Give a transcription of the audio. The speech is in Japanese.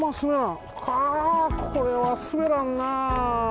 はあこれはすべらんな！